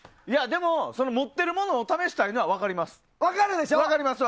でも、持っているものを試したいのは分かります。